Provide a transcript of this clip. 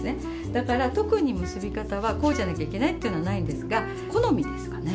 だから特に結び方はこうじゃなきゃいけないっていうのはないんですが好みですかね。